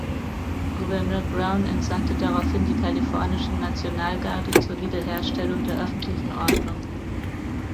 Gouverneur Brown entsandte daraufhin die kalifornische Nationalgarde zur Wiederherstellung der öffentlichen Ordnung.